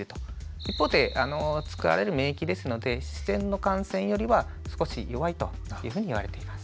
一方で作られる免疫ですので自然の感染よりは少し弱いというふうにいわれています。